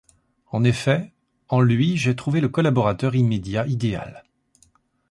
En effet, en lui j’ai trouvé le collaborateur immédiat idéal.